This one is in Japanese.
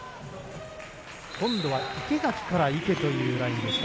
今度は池崎から池というラインでした。